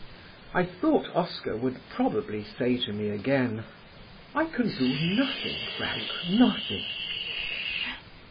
I thought Oscar would probably say to me again: "I can do nothing, Frank, nothing."